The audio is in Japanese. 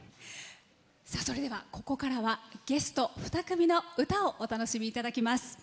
それでは、ここからはゲスト２組の歌をお楽しみいただきます。